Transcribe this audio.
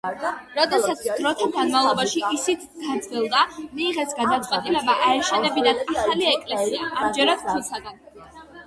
როდესაც დროთა განმავლობაში ისიც დაძველდა, მიიღეს გადაწყვეტილება აეშენებინათ ახალი ეკლესია, ამჯერად ქვისაგან.